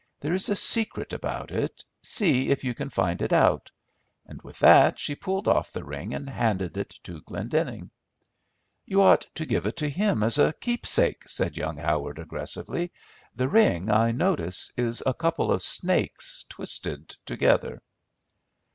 There is a secret about it, see if you can find it out." And with that she pulled off the ring, and handed it to Glendenning. "You ought to give it to him as a keepsake," said young Howard, aggressively. "The ring, I notice, is a couple of snakes twisted together."